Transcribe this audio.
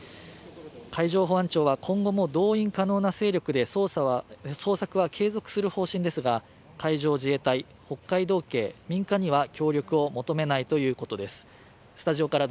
海上保安庁は今後も動員可能な勢力で捜索は継続する方針ですが、海上自衛隊、北海道警、民間には協力を求めないということです。